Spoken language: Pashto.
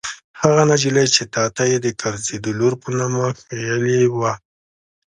هغه نجلۍ چې تا ته يې د کرزي د لور په نامه ښييلې وه.